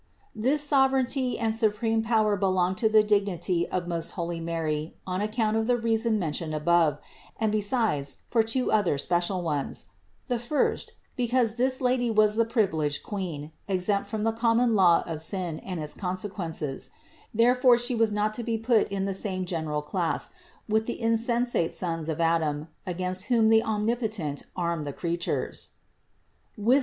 19. This sovereignty and supreme power belonged to the dignity of most holy Mary on account of the reason THE INCARNATION 35 mentioned above ; and besides for two other special ones ; the first: because this Lady was the privileged Queen, exempt from the common law of sin and its conse quences: therefore She was not to be put in the same general class with the insensate sons of Adam, against whom the Omnipotent armed the creatures (Wisd.